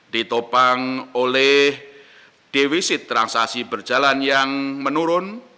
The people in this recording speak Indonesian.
ditopang oleh defisit transaksi berjalan yang menurun